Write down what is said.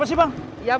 jalan kemana lu